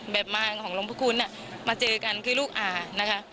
บางของหลวงพระคุณมาเจอกันคือลูกอานะคะ